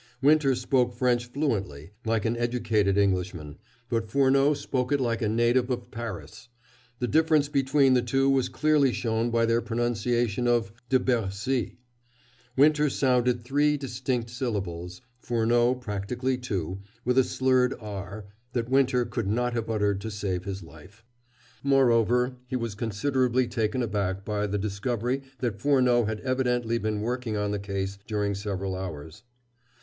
Winter spoke French fluently like an educated Englishman but Furneaux spoke it like a native of Paris. The difference between the two was clearly shown by their pronunciation of "de Bercy." Winter sounded three distinct syllables Furneaux practically two, with a slurred "r" that Winter could not have uttered to save his life. Moreover, he was considerably taken aback by the discovery that Furneaux had evidently been working on the case during several hours.